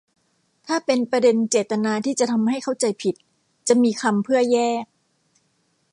ถ้าเป็นประเด็นเจตนาที่จะทำให้เข้าใจผิด จะมีคำเพื่อแยก